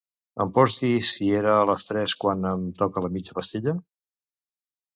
Em pots dir si era a les tres quan em toca la mitja pastilla?